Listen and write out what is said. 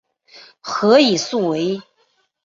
何以速为。